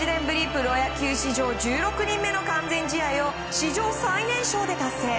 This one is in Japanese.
プロ野球史上１６人目の完全試合を史上最年少で達成。